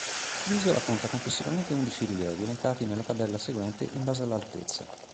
L'isola conta complessivamente undici rilievi, elencati nella tabella seguente in base all'altezza.